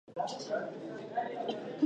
د ژبې د تاریخ په اړه څېړنې روانې دي.